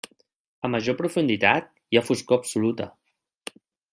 A major profunditat, hi ha foscor absoluta.